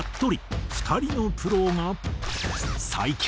２人のプロが「最強！」